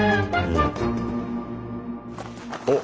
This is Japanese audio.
おっ！